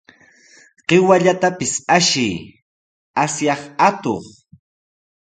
¡Qiwallatapis ashiy, asyaq atuq!